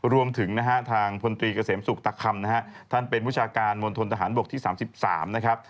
รวมถึงทางพลตรีเกษมศุกร์ตักคำท่านเป็นผู้ชาการมณฑนทหารบวกที่๓๓นะครับ